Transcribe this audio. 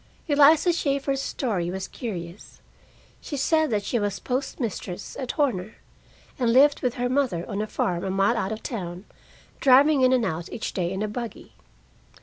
Eliza Shaeffer's story was curious. She said that she was postmistress at Horner, and lived with her mother on a farm a mile out of the town, driving in and out each day in a buggy.